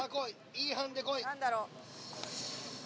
いいハンデこい！